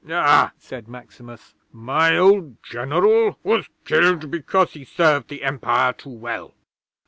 '"Ah!" said Maximus. "My old General was killed because he served the Empire too well.